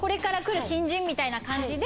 みたいな感じで。